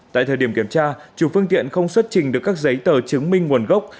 tại thời điểm kiểm tra chủ phương tiện không xuất trình được các giấy tờ chứng minh nguồn gốc